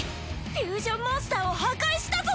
フュージョンモンスターを破壊したぞ！